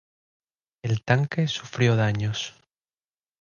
El tanque sufrió daños.